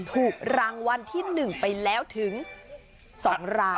ถูกรางวัลที่๑ไปแล้วถึง๒ราย